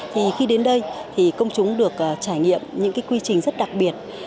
thì khi đến đây thì công chúng được trải nghiệm những cái quy trình rất đặc biệt